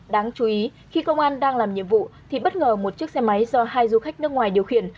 đáng chú ý khi công an đang làm nhiệm vụ thì bất ngờ một chiếc xe máy do hai du khách nước ngoài điều khiển